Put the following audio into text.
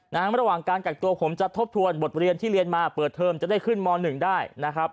ระหว่างการกักตัวผมจะทบทวนบทเรียนที่เรียนมาเปิดเทอมจะได้ขึ้นม๑ได้นะครับ